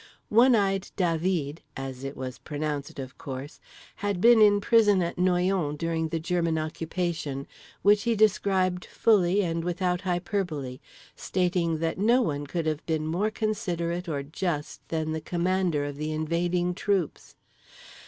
One Eyed Dah veed (as it was pronounced of course) had been in prison at Noyon during the German occupation, which he described fully and without hyperbole—stating that no one could have been more considerate or just than the commander of the invading troops.